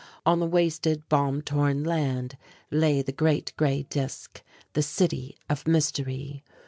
On the wasted, bomb torn land lay the great grey disc the city of mystery.